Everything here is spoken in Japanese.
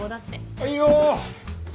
はいよ。